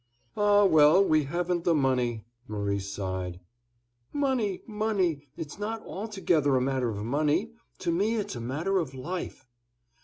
"Ah, well, we haven't the money," Maurice sighed. "Money—money—it's not altogether a matter of money; to me it's a matter of life."